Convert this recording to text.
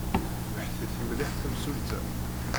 Tebḥet-it mliḥ temsulta.